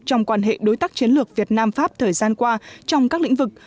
trong quan hệ đối tác chiến lược việt nam pháp thời gian qua trong các lĩnh vực